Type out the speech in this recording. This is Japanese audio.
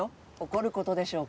怒ることでしょうか？